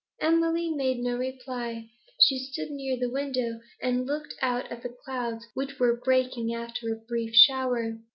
Emily made no reply. She stood near the window, and looked out at the clouds which were breaking after a brief shower.